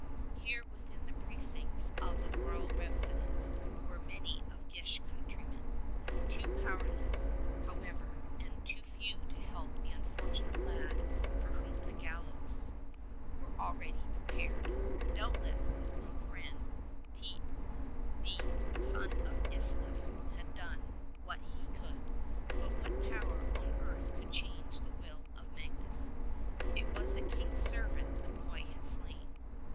Here within the precincts of the royal residence were many of Gish's countrymen — ^too powerless, however, and too few to help the unfortunate lad for whom the gallows was already prepared. Doubtless his one friend, Teit the son of Islief, had done what he could; but what power on earth could change the will of Magnus? It was the King's 50 servant the boy had slain.